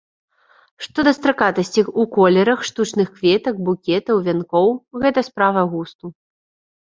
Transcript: Што да стракатасці ў колерах штучных кветак, букетаў, вянкоў, гэта справа густу.